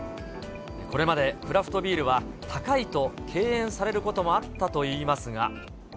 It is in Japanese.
これまでクラフトビールは、高いと敬遠されることもあったといいますが。